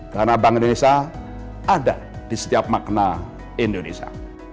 karena bank indonesia ada di setiap makna indonesia